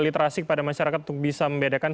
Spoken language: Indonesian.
literasi kepada masyarakat untuk bisa membedakan